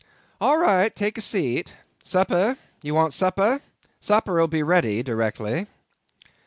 All right; take a seat. Supper?—you want supper? Supper'll be ready directly."